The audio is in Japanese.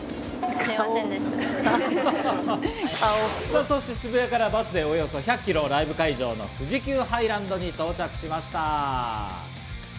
そして渋谷からバスでおよそ１００キロ、ライブ会場の富士急ハイランドに到着しました。